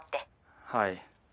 はい。